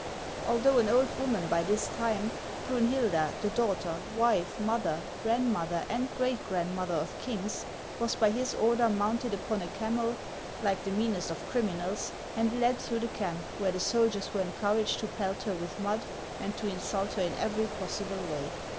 Although an old woman by this time, Brunhilda, the daughter, wife, mother, grandmother, and great grand mother of kings, was by his order mounted upon a camel, Digitized by Google 6o OLD FRANCE — like the meanest of criminals — and led through the camp, where the soldiers were encouraged to pelt her with mud, and to insult her in every possible way.